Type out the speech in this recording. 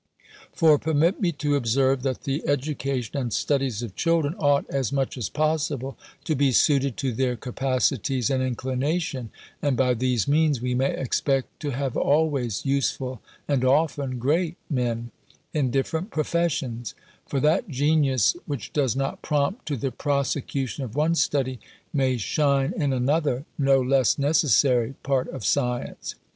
For, permit me to observe, that the education and studies of children ought, as much as possible, to be suited to their capacities and inclination, and, by these means, we may expect to have always useful and often great men, in different professions; for that genius which does not prompt to the prosecution of one study, may shine in another no less necessary part of science.